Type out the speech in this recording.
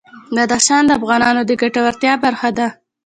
بدخشان د افغانانو د ګټورتیا برخه ده.